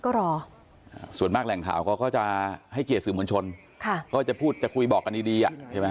ก็รอส่วนมากแหล่งข่าวเขาก็จะให้เกียรติสื่อมวลชนค่ะก็จะพูดจะคุยบอกกันดีดีอ่ะใช่ไหม